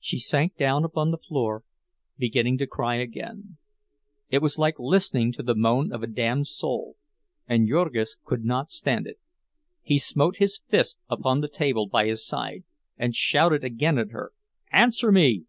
She sank down upon the floor, beginning to cry again. It was like listening to the moan of a damned soul, and Jurgis could not stand it. He smote his fist upon the table by his side, and shouted again at her, "Answer me!"